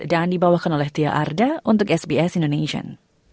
dibawakan oleh tia arda untuk sbs indonesian